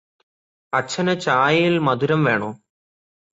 അച്ഛന് ചായയിൽ മധുരം വേണോ?